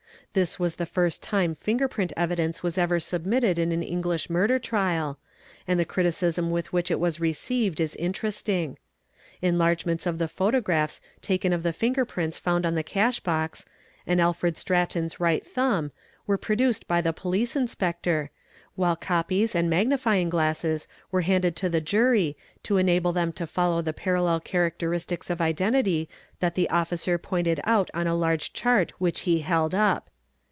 This was the first time finger print evi dence was ever submitted in an English murder trial and the criticism with which it was received is interesting. Enlargements of the photo graphs taken of the finger prints found on the cash box and Alfred: Stratton's right thumb were produced by the Police Inspector, while copies and magnifyng glasses were handed to the jury to enable them to follow the parallel characteristics of identity that the officer pointed out on _@ large chart which he held up.